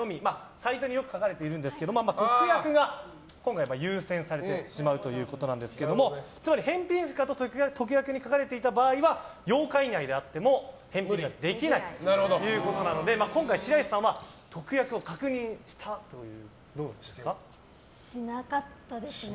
サイトによく書かれてるんですが特約が優先されているんですがつまり、返品不可と特約に書かれていた場合は８日以内であっても返品はできないということなので今回白石さんは特約、確認しましたか？